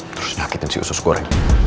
terus nakitin si usus gore